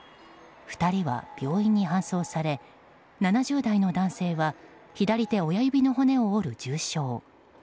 ２人は病院に搬送され７０代の男性は左手親指の骨を折る重傷。